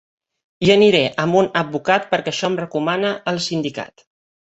Hi aniré amb un advocat perquè això em recomana el sindicat.